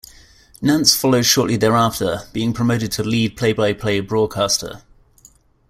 Nantz followed shortly thereafter, being promoted to lead play-by-play broadcaster.